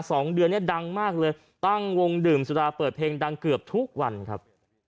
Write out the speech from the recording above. สองเดือนเนี้ยดังมากเลยตั้งวงดื่มสุราเปิดเพลงดังเกือบทุกวันครับ